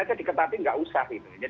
saja diketapi nggak usah